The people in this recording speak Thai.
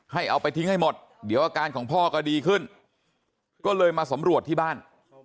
เอาไปทิ้งให้หมดเดี๋ยวอาการของพ่อก็ดีขึ้นก็เลยมาสำรวจที่บ้าน